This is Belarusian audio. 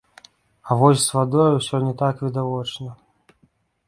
А вось з вадой усё не так відавочна.